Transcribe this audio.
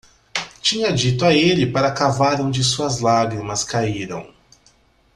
Tinha dito a ele para cavar onde suas lágrimas caíram.